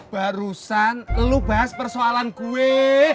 barusan lu bahas persoalan gue